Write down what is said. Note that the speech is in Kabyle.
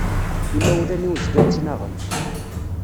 Imawlan-iw zgan ttnaɣen.